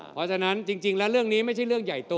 เพราะฉะนั้นจริงแล้วเรื่องนี้ไม่ใช่เรื่องใหญ่โต